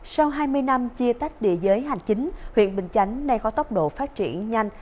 sau hai mươi năm chia tách địa giới hành chính huyện bình chánh nay có tốc độ phát triển nhanh